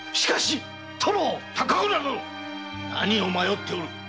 何を迷っておる！